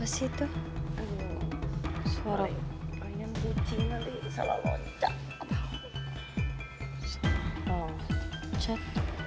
salah rumba salah loncat